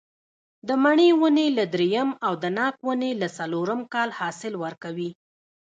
د مڼې ونې له درېیم او د ناک ونې له څلورم کال حاصل ورکوي.